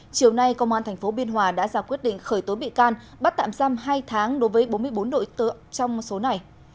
chiều nay công an tp biên hòa đã ra quyết định khởi tố bị can bắt tạm giam hai tháng đối với bốn mươi bốn đội tượng trong số này